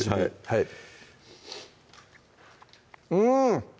はいうん！